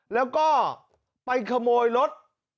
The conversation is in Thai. แล้วก็ไปขโมยรถ